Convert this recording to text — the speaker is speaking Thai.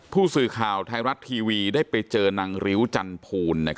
ผู้สื่อข่าวไทยรัฐทีวีได้ไปเจอนางริ้วจันภูล